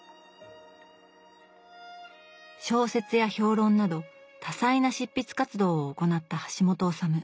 小説や評論など多彩な執筆活動を行った橋本治。